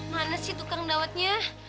mana sih tukang dawatnya